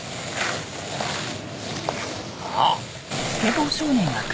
あっ！